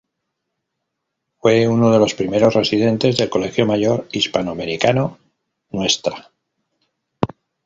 Fue uno de los primeros residentes del Colegio Mayor Hispanoamericano "Ntra.